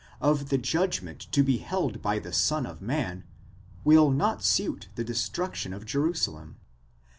of the judgment to be held by the Son of Man, will not suit the destruction of Jerusalem.